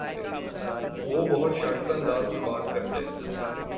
وہ بہت شائستہ انداز میں بات کرتے